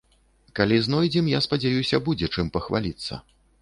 Калі знойдзем, я спадзяюся, будзе чым пахваліцца.